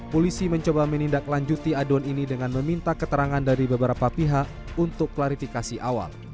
polisi mencoba menindaklanjuti aduan ini dengan meminta keterangan dari beberapa pihak untuk klarifikasi awal